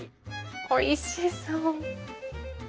おいしそう。